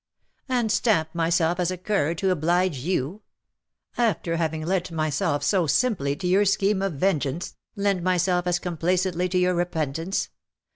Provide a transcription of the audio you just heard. '^" And stamp myself as a cur, to oblige you : after having lent myself so simply to your scheme of vengeance, lend myself as complacently to your repentance.